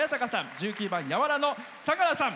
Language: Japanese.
１９番「柔」の、さがらさん。